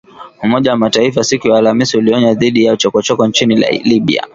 Umoja wa Mataifa siku ya Alhamisi ulionya dhidi ya chokochoko nchini Libya